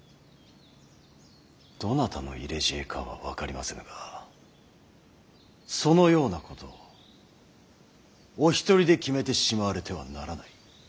どなたの入れ知恵かは分かりませぬがそのようなことをお一人で決めてしまわれてはならない。